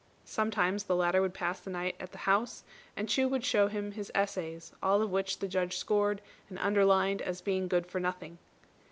Sometimes the latter would pass the night at the house, and Chu would show him his essays, all of which the Judge scored and underlined as being good for nothing.